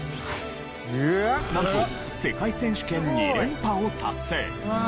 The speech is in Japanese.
なんと世界選手権２連覇を達成！